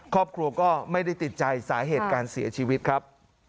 ครอบครัวก็ไม่ได้ติดใจสาเหตุการเสียชีวิตครับ